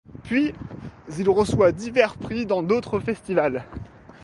Puis, il reçoit divers prix dans d’autres festivals.